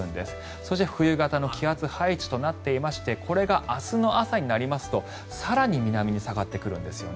そして、冬型の気圧配置となっていましてこれが明日の朝になりますと更に南に下がってくるんですね。